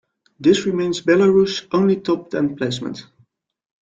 This remains Belarus' only top ten placement.